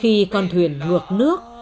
khi con thuyền ngược nước